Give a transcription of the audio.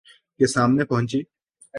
کے سامنے پہنچی